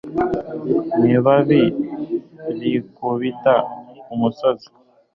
Nkibabi rikubita kumusozi